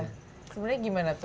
sebenarnya gimana tuh